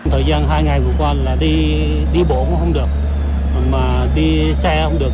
thời gian hai ngày vừa qua là đi đi bộ cũng không được mà đi xe không được